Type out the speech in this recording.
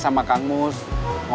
kangen sama biaya